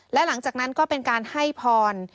และหลังจากนั้นก็เป็นการให้พร